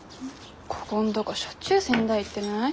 こごんとごしょっちゅう仙台行ってない？